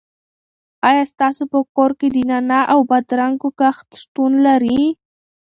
آیا ستاسو په کور کې د نعناع او بادرنګو کښت شتون لري؟